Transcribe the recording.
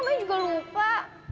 namanya juga lupa